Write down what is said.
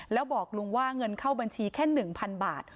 แล้วบอกลุงว่าเงินเข้าบัญชีแค่๑๐๐๐บาท